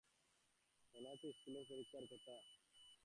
মনে আছে, ইশকুলের পরীক্ষায় অনেক কমন প্রশ্ন এলে আমি রেজাল্ট ভালো করতাম।